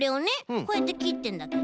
こうやってきってんだけど。